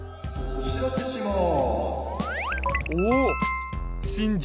おしらせします。